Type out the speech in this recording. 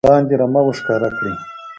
لاندې رمه ور ښکاره کړي